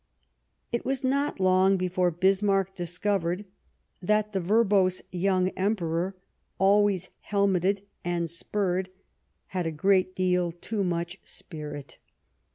It was not to be long before Bismarck discovered that the verbose young Emperor, always helmeted and spurred, had a great deal too much spirit.